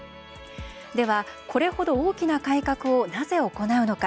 では、これほど大きな改革をなぜ行うのか。